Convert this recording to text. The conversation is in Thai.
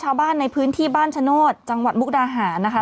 ชาวบ้านในพื้นที่บ้านชโนธจังหวัดมุกดาหารนะคะ